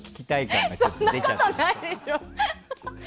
そんなことないよ。